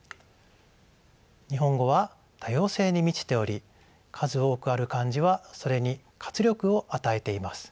日本語は多様性に満ちており数多くある漢字はそれに活力を与えています。